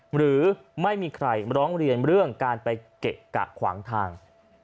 หรือไม่มีใครร้องเรียนเรื่องการไปเกะกะขวางทาง